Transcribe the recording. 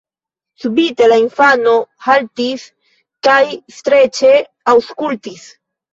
Subite la infano haltis kaj streĉe aŭskultis.